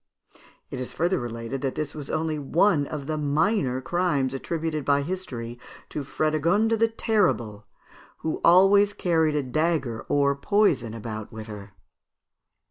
It is further related that this was only one of the minor crimes attributed by history to Frédégonde the Terrible, who always carried a dagger or poison about with her.